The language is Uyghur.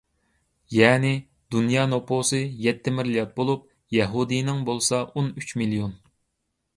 يەنى، دۇنيا نوپۇسى يەتتە مىليارد بولۇپ، يەھۇدىينىڭ بولسا ئون ئۈچ مىليون.